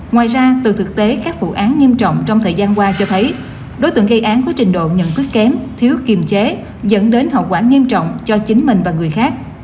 ngoài ra từ thực tế các vụ án nghiêm trọng trong thời gian qua cho thấy đối tượng gây án có trình độ nhận thức kém thiếu kiềm chế dẫn đến hậu quả nghiêm trọng cho chính mình và người khác